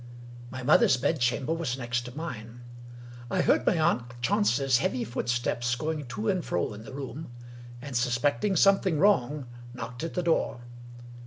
My mother's bed chamber was next to mine. I heard my aunt Chance's heavy footsteps going to and fro in the room, and, sus pecting something wrong, knocked at the door.